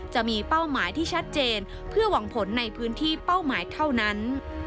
จะมีเป้าหมายที่ชัดเจนเพื่อหวังผลในพื้นที่เป้าหมายเท่านั้น